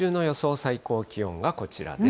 最高気温がこちらです。